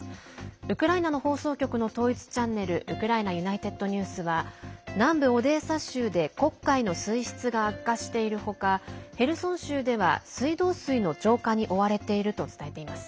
ウクライナの放送局の統一チャンネルウクライナＵｎｉｔｅｄＮｅｗｓは南部オデーサ州で黒海の水質が悪化している他ヘルソン州では水道水の浄化に追われていると伝えています。